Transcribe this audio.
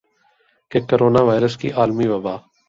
کہ corona virus کی عالمی وبا